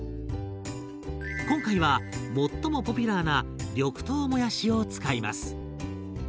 今回は最もポピュラーな緑豆もやしを使います。